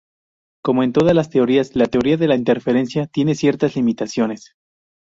Como en todas las teorías, la teoría de la interferencia tiene ciertas limitaciones.